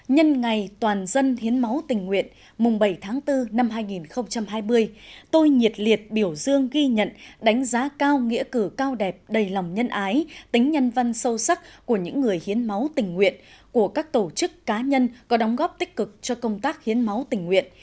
nhân ngày toàn dân hiến máu tình nguyện mùng bảy tháng bốn năm hai nghìn hai mươi tôi nhiệt liệt biểu dương ghi nhận đánh giá cao nghĩa cử cao đẹp đầy lòng nhân ái tính nhân văn sâu sắc của những người hiến máu tình nguyện của các tổ chức cá nhân có đóng góp tích cực cho công tác hiến máu tình nguyện